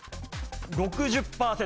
６０％。